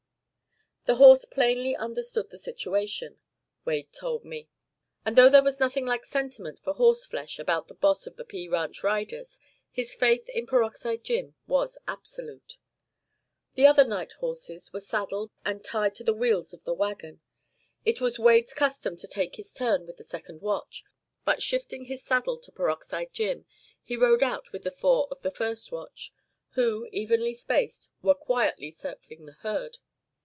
The horse plainly understood the situation, Wade told me; and though there was nothing like sentiment for horse flesh about the boss of the P Ranch riders, his faith in Peroxide Jim was absolute. The other night horses were saddled and tied to the wheels of the wagon. It was Wade's custom to take his turn with the second watch; but shifting his saddle to Peroxide Jim, he rode out with the four of the first watch, who, evenly spaced, were quietly circling the herd.